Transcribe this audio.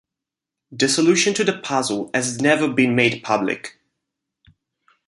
The solution to the puzzle has never been made public.